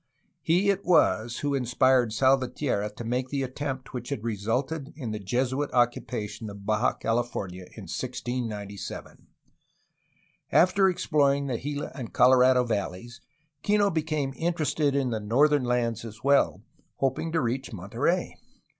He it was who inspired Salvatierra to make the attempt which had resulted in the Jesuit occu pation of Baja California in 1697. After exploring the Gila and Colorado valleys Kino became interested in the northern lands as well, hoping to reach Monterey.